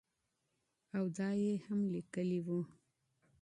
او دا ئې هم ليکلي وو